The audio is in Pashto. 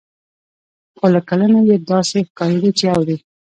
خو له کړنو يې داسې ښکارېده چې اوري.